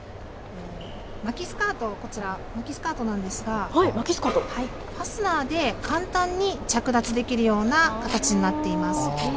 巻きスカート、こちら巻きスカートなんですが、ファスナーで簡単に着脱できるような形になっています。